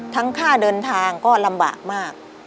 ค่าเดินทางก็ลำบากมาก